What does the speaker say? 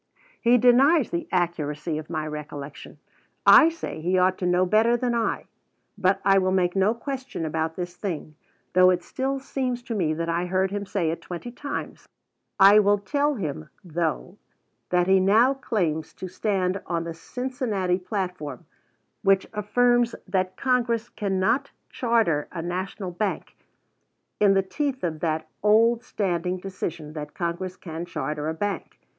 He denies the accuracy of my recollection. I say he ought to know better than I; but I will make no question about this thing, though it still seems to me that I heard him say it twenty times. I will tell him, though, that he now claims to stand on the Cincinnati platform, which affirms that Congress cannot charter a national bank, in the teeth of that old standing decision that Congress can charter a bank.